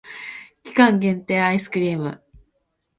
期間限定アイスクリーム